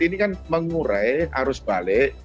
ini kan mengurai arus balik